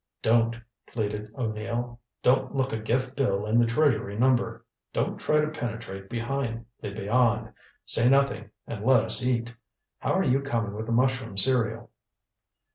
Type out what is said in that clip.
"Don't," pleaded O'Neill. "Don't look a gift bill in the treasury number. Don't try to penetrate behind the beyond. Say nothing and let us eat. How are you coming with the mushroom serial?"